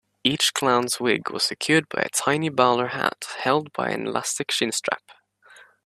Each clown's wig was secured by a tiny bowler hat held by an elastic chin-strap.